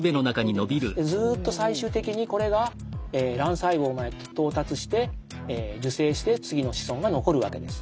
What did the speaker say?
ずっと最終的にこれが卵細胞まで到達して受精して次の子孫が残るわけです。